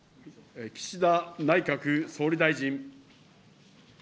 岸田内閣総理大臣。